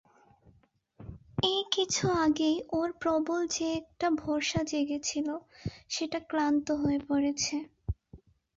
এই কিছু আগেই ওর প্রবল যে-একটা ভরসা জেগেছিল সেটা ক্লান্ত হয়ে পড়েছে।